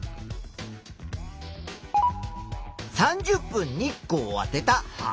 ３０分日光をあてた葉。